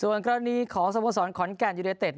ส่วนคราวนี้ขอสมสรรค์ขอนแก้นยูเลเต็ด